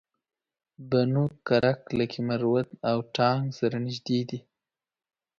بنو کرک لکي مروت او ټانک سره نژدې دي